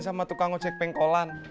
sama tukang ojek pengkolan